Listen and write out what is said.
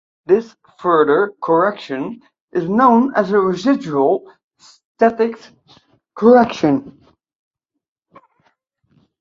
This further correction is known as a residual statics correction.